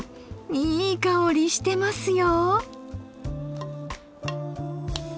いい香りしてますよ。